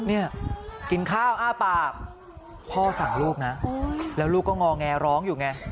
เนี่ยกินข้าวอ้าปากพ่อสั่งลูกนะแล้วลูกก็งอแงร้องอยู่ไง